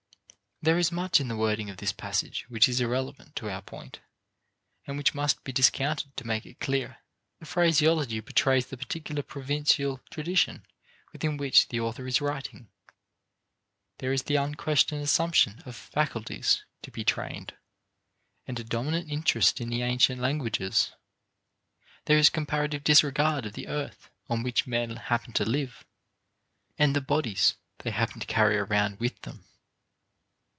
There is much in the wording of this passage which is irrelevant to our point and which must be discounted to make it clear. The phraseology betrays the particular provincial tradition within which the author is writing. There is the unquestioned assumption of "faculties" to be trained, and a dominant interest in the ancient languages; there is comparative disregard of the earth on which men happen to live and the bodies they happen to carry around with them.